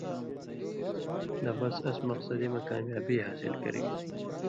لہ بِس اس مقصدی مہ کامیابی حاصل کرِگ۔